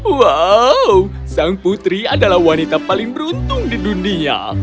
wow sang putri adalah wanita paling beruntung di dunia